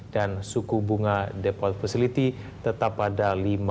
dan suku bunga deposit facility tetap pada lima tujuh puluh lima